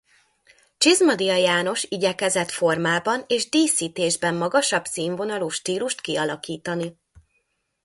Csizmadia János igyekezett formában és díszítésben magasabb színvonalú stílust kialakítani.